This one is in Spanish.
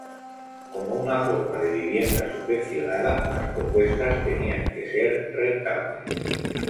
Como una forma de vivienda subvencionada, las propuestas tenían que ser rentables.